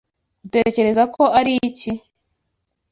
Utekereza ko ari iki?